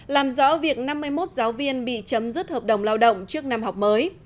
làm rõ việc năm mươi một giáo viên bị chấm dứt hợp đồng lao động trước năm học mới